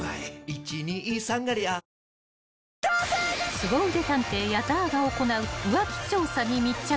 ［すご腕探偵矢澤が行う浮気調査に密着］